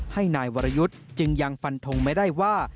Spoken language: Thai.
ให้นายวรยุทธ์จึงยังฟันทงไม่ได้ว่า